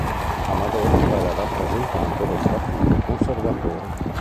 Amador era rappresentante del Partito Conservatore.